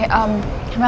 kita ketemu nanti ya